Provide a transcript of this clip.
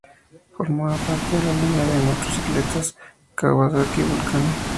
Formaba parte de la línea de motocicletas Kawasaki Vulcan.